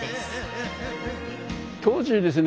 当時ですね